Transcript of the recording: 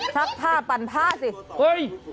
ชับผ้าปั่นผ้าสิ